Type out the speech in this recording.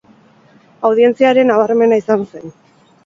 Audientzia ere nabarmena izan zen.